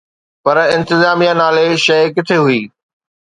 پر انتظاميا نالي شيءِ ڪٿي هئي؟